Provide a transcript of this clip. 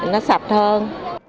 nó sạch hơn